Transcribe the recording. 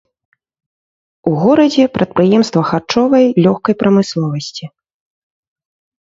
У горадзе прадпрыемства харчовай, лёгкай прамысловасці.